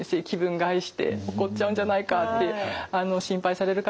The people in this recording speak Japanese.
害して怒っちゃうんじゃないかって心配される方